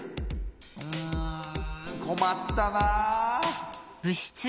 うんこまったなぁ。